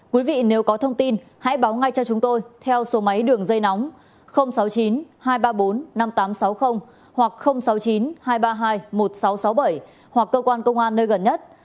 quý vị nếu có thông tin hãy báo ngay cho chúng tôi theo số máy đường dây nóng sáu mươi chín hai trăm ba mươi bốn năm nghìn tám trăm sáu mươi hoặc sáu mươi chín hai trăm ba mươi hai một nghìn sáu trăm sáu mươi bảy hoặc cơ quan công an nơi gần nhất